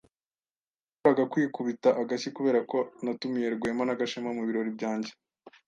Nashoboraga kwikubita agashyi kubera ko ntatumiye Rwema na Gashema mu birori byanjye.